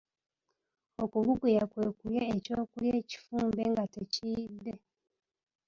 Okubuguya kwe kulya ekyokulya ekifumbe nga tekiyidde.